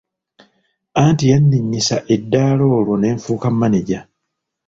Anti yanninnyisa eddaala olwo ne nfuuka maneja.